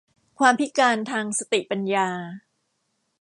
ความพิการทางสติปัญญา